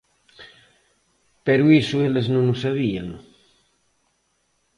Pero iso eles non o sabían.